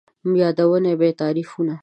یادوې به تعريفونه